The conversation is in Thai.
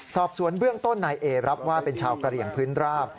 สอบสวนเบื้องต้นนายเอรับว่าเป็นชาวกะเหลี่ยงพื้นราบ